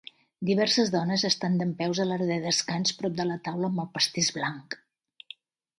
Diverses dones estan dempeus a l'àrea de descans prop de la taula amb el pastís blanc.